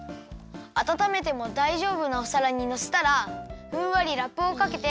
あたためてもだいじょうぶなおさらにのせたらふんわりラップをかけて。